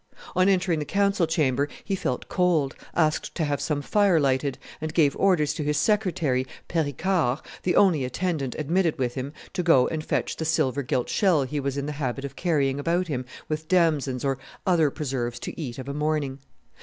On entering the council chamber he felt cold, asked to have some fire lighted, and gave orders to his secretary, Pericard, the only attendant admitted with him, to go and fetch the silver gilt shell he was in the habit of carrying about him with damsons or other preserves to eat of a morning.